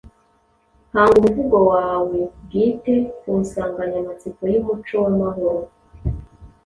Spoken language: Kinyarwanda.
Hanga umuvugo wawe bwite ku nsanganyamatsiko y’umuco w’amahoro,